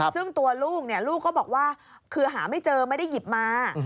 ซึ่งตัวลูกลูกก็บอกว่าคือหาไม่เจอไม่ได้หยิบมา